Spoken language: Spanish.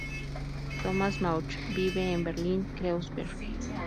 Thomas Mauch vive en Berlín-Kreuzberg.